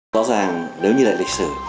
rõ ràng nếu như là lịch sử